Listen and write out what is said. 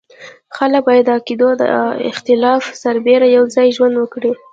خلک باید د عقایدو د اختلاف سربېره یو ځای ژوند وکړي.